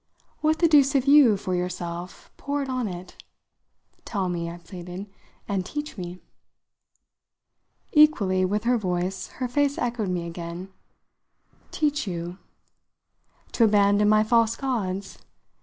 What the deuce have you, for yourself, poured on it? Tell me," I pleaded, "and teach me." Equally with her voice her face echoed me again. "Teach you?" "To abandon my false gods.